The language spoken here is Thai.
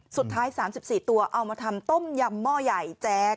สุดท้าย๓๔ตัวเอามาทำต้มยำหม้อใหญ่แจ๊ก